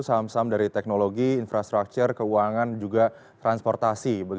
saham saham dari teknologi infrastruktur keuangan juga transportasi